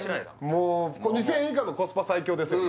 もうここ２０００円以下のコスパ最強ですよ